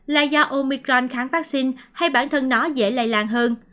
là do omicron kháng vaccine hay bản thân nó dễ lây lan hơn